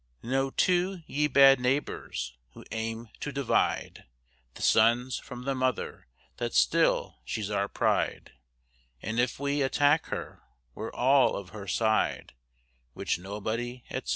Know, too, ye bad neighbors, who aim to divide The sons from the mother, that still she's our pride; And if ye attack her, we're all of her side; Which nobody, etc.